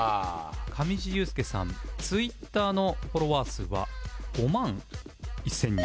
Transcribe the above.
上地雄輔さん Ｔｗｉｔｔｅｒ のフォロワー数は５万１０００人